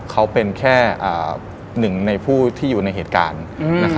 เขาเป็นแค่หนึ่งในผู้ที่อยู่ในเหตุการณ์